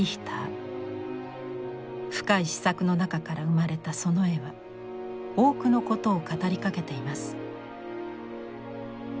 深い思索の中から生まれたその絵は多くのことを語りかけています。